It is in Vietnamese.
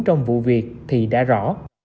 trong vụ việc thì đã rõ